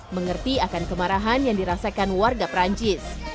mengerti akan kemarahan yang dirasakan warga perancis